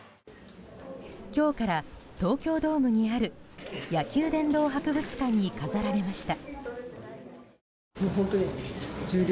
今日から東京ドームにある野球殿堂博物館に飾られました。